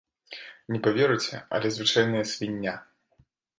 Не паверыце, але звычайная свіння.